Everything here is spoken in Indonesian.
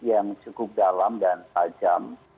yang cukup dalam dan tajam